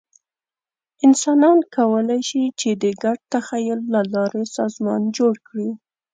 انسانان کولی شي، چې د ګډ تخیل له لارې سازمان جوړ کړي.